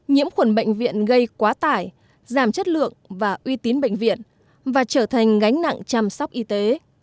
nhiễm khuẩn bệnh viện gây quá tải giảm chất lượng và uy tín bệnh viện và trở thành gánh nặng chăm sóc y tế